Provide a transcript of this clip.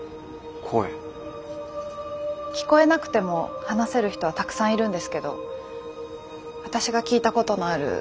聞こえなくても話せる人はたくさんいるんですけど私が聞いたことのあるパパの言葉って２つだけなんです。